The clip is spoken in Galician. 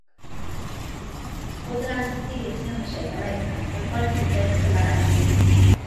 Poderanse adquirir sen receita médica, ao igual que un test de embarazo.